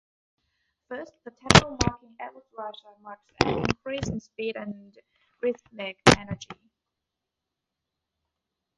First, the tempo marking "Etwas rascher" marks an increase in speed and rhythmic energy.